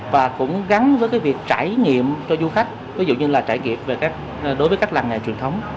và cũng gắn với cái việc trải nghiệm cho du khách ví dụ như là trải nghiệm đối với các làng nghề truyền thống